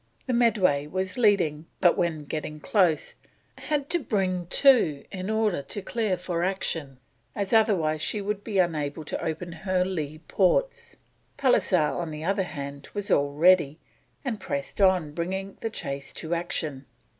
The Medway was leading, but when getting close, had to bring to in order to clear for action, as otherwise she would be unable to open her lee ports. Pallisser, on the other hand, was all ready, and pressed on, bringing the chase to action.